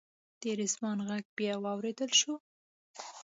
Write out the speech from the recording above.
د رضوان غږ بیا واورېدل شو.